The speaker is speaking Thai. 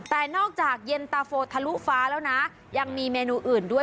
แต่นอกจากเย็นตาโฟทะลุฟ้าแล้วนะยังมีเมนูอื่นด้วย